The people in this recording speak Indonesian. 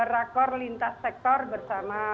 rakor lintas sektor bersama